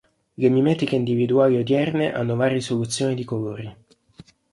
Le mimetiche individuali odierne hanno varie soluzioni di colori.